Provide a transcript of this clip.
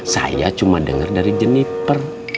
saya cuma dengar dari jeniper